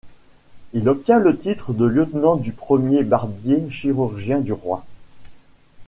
Il obtient le titre de Lieutenant du premier Barbier-Chirurgien du Roi.